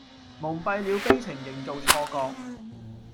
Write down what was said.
蒙蔽了悲情營造錯覺